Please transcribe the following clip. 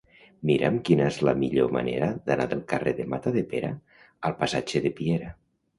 Mira'm quina és la millor manera d'anar del carrer de Matadepera al passatge de Piera.